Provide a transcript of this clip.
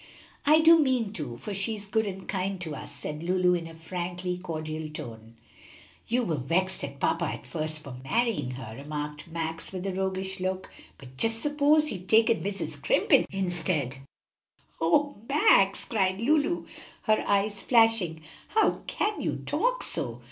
"I do mean to, for she is good and kind to us," said Lulu, in a frankly cordial tone. "You were vexed at papa at first for marrying her," remarked Max, with a roguish look; "but just suppose he'd taken Mrs. Scrimp instead." "O Max!" cried Lulu, her eyes flashing, "how can you talk so?